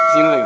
simp dulu yuk